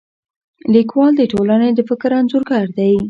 لیکوال د ټولنې د فکر انځورګر دی.